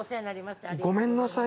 ごめんなさい。